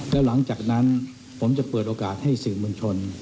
แล้วหลังจากนั้นผมจะเปิดโอกาสให้สื่อมวลชน